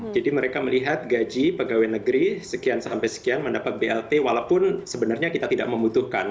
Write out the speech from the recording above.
jadi mereka melihat gaji pegawai negeri sekian sampai sekian mendapat blt walaupun sebenarnya kita tidak membutuhkan